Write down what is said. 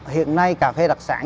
hiện nay cà phê đặc sản